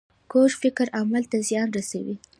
کوږ فکر عمل ته زیان رسوي